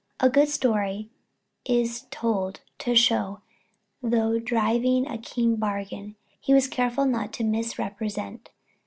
A good story is told to show how, though driving a keen bargain, he was careful not to misrepresent.